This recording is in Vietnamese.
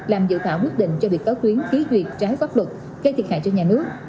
làm dự thảo quyết định cho bị cáo tuyến ký duyệt trái góp luật gây thiệt hại cho nhà nước